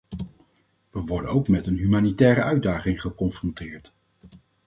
We worden ook met een humanitaire uitdaging geconfronteerd.